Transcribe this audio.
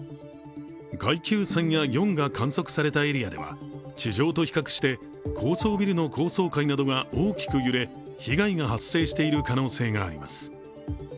階級３や４が観測されたエリアでは地上と比較して高層ビルの高層階などが大きく揺れ被害が発生している可能性があります。